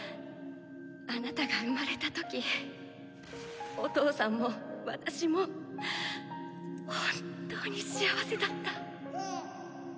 あなたが生まれた時お父さんも私も本当に幸せだった。